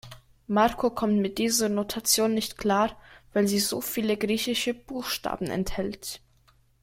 Marco kommt mit dieser Notation nicht klar, weil sie so viele griechische Buchstaben enthält.